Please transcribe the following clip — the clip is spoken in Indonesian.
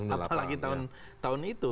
apalagi tahun itu